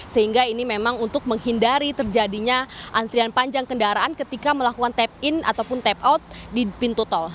sehingga ini memang untuk menghindari terjadinya antrian panjang kendaraan ketika melakukan tap in ataupun tap out di pintu tol